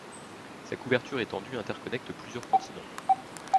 Sa couverture étendue interconnecte plusieurs continents.